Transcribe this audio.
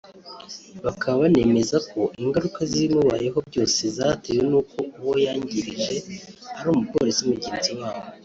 Bakaba banemeza ko ingaruka z’ibimubayeho byose zatewe n’uko uwo yangirije ari Umupolisi mugenzi wabo